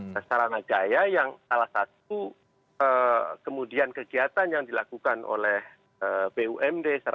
dan sarana jaya yang salah satu kemudian kegiatan yang dilakukan oleh bumd